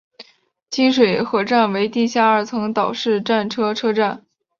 锦水河站为地下二层岛式站台车站。